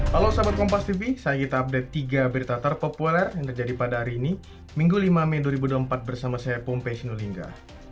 halo sahabat kompas tv saya kita update tiga berita terpopuler yang terjadi pada hari ini minggu lima mei dua ribu dua puluh empat bersama saya pompai sinulinga